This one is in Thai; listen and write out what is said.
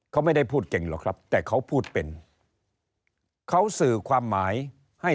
เขาไม่ได้พูดเก่งหรอกครับแต่เขาพูดเป็นเขาสื่อความหมายให้